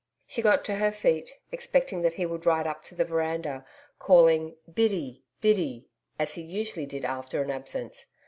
She got to her feet, expecting that he would ride up to the veranda, calling 'Biddy Biddy,' as he usually did after an absence.